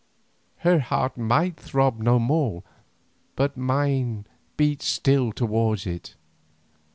Her heart might throb no more, but mine beat still toward it.